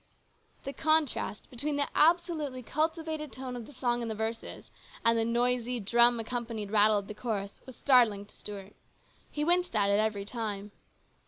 The contrast between the absolutely cultivated tone of the song in the verses and the noisy, drum accompanied rattle of the chorus was startling to Stuart. He winced at it every time.